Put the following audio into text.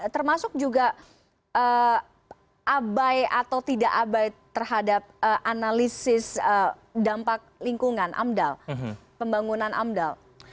termasuk juga abai atau tidak abai terhadap analisis dampak lingkungan amdal pembangunan amdal